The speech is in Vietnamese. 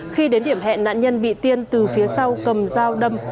khi đến điểm hẹn nạn nhân bị tiên từ phía sau cầm dao đâm